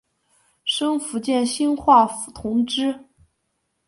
升福建兴化府同知。